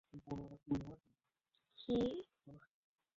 আকাশ, কি করছ?